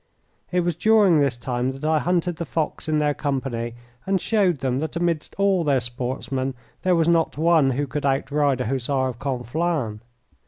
It was during this time that I hunted the fox in their company, and showed them that amidst all their sportsmen there was not one who could outride a Hussar of Conflans.